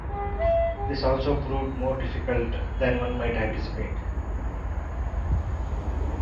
This also proved more difficult than one might anticipate.